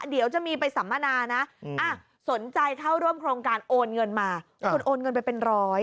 เดี๋ยวจะมีไปสัมมนานะสนใจเข้าร่วมโครงการโอนเงินมาคุณโอนเงินไปเป็นร้อย